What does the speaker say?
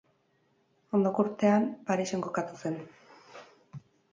Ondoko urtean Parisen kokatu zen.